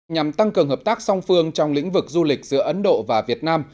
nhằm tăng cường hợp tác song phương trong lĩnh vực du lịch giữa ấn độ và việt nam